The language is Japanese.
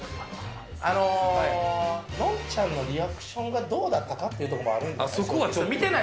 のんちゃんのリアクションがどうだったかっていうところもあるんじゃない？